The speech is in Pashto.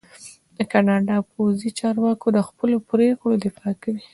د کاناډا پوځي چارواکي د خپلو پرېکړو دفاع کوي.